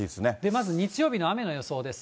まず日曜日の雨の予報です。